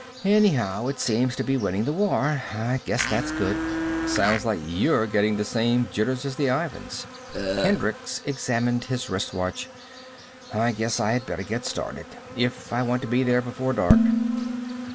"Anyhow, it seems to be winning the war. I guess that's good." "Sounds like you're getting the same jitters as the Ivans." Hendricks examined his wrist watch. "I guess I had better get started, if I want to be there before dark."